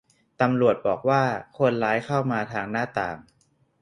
ตำรวจบอกว่า คนร้ายเข้ามาทางหน้าต่าง